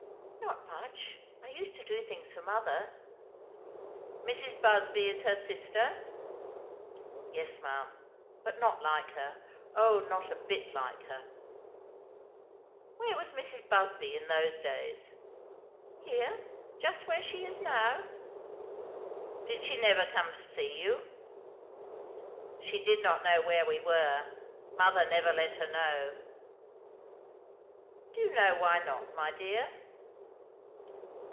"Not much. I used to do things for mother." "Mrs. Busby is her sister?" "Yes, ma'am; but not like her. O not a bit like her." "Where was Mrs. Busby in those days?" "Here. Just where she is now." "Did she never come to see you?" "She did not know where we were. Mother never let her know." "Do you know why not, my dear?"